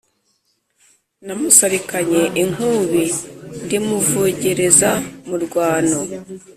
namusarikanye inkubiri ndimuvogereza mu rwano